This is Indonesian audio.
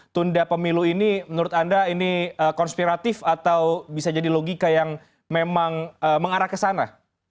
tunda pemilu ini menurut anda ini konspiratif atau bisa jadi logika yang memang mengarah ke sana